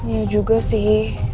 ya juga sih